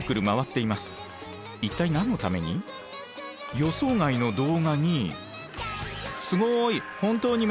予想外の動画に。